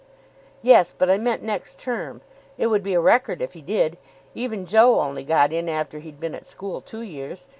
"Yes, but I meant next term. It would be a record if he did. Even Joe only got in after he'd been at school two years.